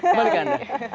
kembali ke anda